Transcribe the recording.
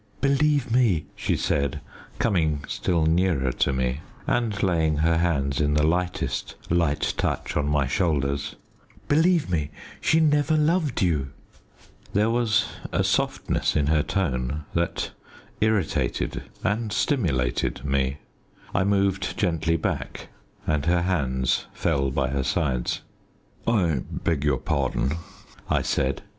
"Believe me," she said, coming still nearer to me, and laying her hands in the lightest light touch on my shoulders, "believe me, she never loved you." There was a softness in her tone that irritated and stimulated me. I moved gently back, and her hands fell by her sides. "I beg your pardon," I said.